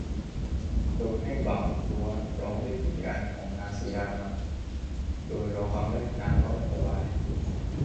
โดยให้บ่างลั่วร้องเรียกวิญญาณของนางสีดามา โดยร้องครั้งแรกนางก็ไม่สบาย